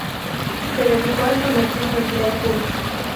Se dedicó al comercio y fue empleado público.